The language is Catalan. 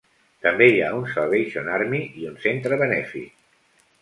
També hi ha un Salvation Army i un centre benèfic.